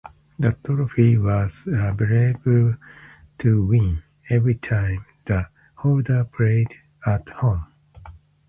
The trophy was available to win every time the holder played at home.